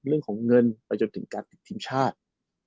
เรื่องของเงินประโยชน์ถึงการติดทิมชาติ